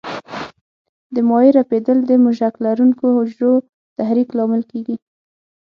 د مایع رپېدل د مژک لرونکو حجرو تحریک لامل کېږي.